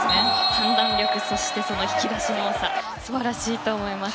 判断力、そして引き出しの多さ素晴らしいと思います。